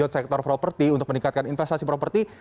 sektor properti untuk meningkatkan investasi properti